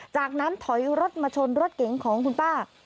จากนั้นถอยรถมาชนรถเก๋งของคุณป้า